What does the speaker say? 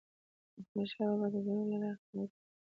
احمدشاه بابا د جګړو له لارې خپلواکي تر لاسه کړه.